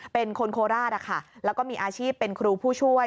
เป็นคนโคราชแล้วก็มีอาชีพเป็นครูผู้ช่วย